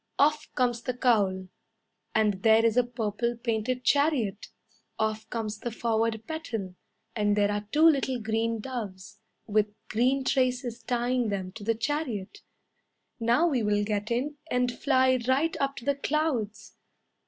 Off comes the cowl, And there is a purple painted chariot; Off comes the forward petal, And there are two little green doves, With green traces tying them to the chariot. "Now we will get in, and fly right up to the clouds.